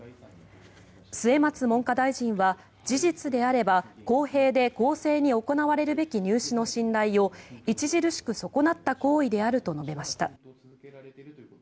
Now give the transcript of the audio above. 末松文科大臣は事実であれば公平で公正に行われるべき入試の信頼を著しく損なった行為であると述べました。